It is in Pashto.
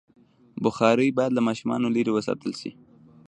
بخاري باید له ماشومانو لرې وساتل شي.